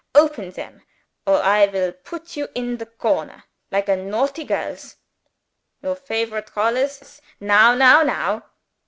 Open them or I will put you in the corner like a naughty girls. Your favorite colors? Now, now, now!"